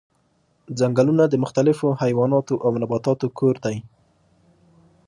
ځنګلونه د مختلفو حیواناتو او نباتاتو کور دي.